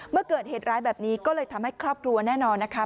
เมื่อเกิดเหตุร้ายแบบนี้ก็เลยทำให้ครอบครัวแน่นอนนะคะ